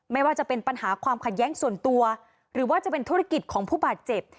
ไม่ว่าจะเป็นปัญหาความขัดแย้งส่วนตัวหรือว่าจะเป็นธุรกิจของผู้บาดเจ็บ